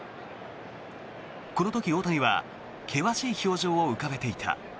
この時、大谷は険しい表情を浮かべていた。